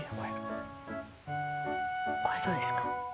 これどうですか？